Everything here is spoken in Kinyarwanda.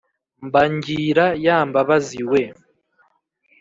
mbangira ya mbabazi we